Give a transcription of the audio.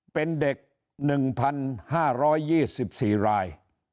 เป็นเด็ก๑๕๒๔ราย